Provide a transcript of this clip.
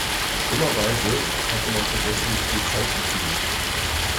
Dummerweise hatte man vergessen, die Polizei zu schmieren.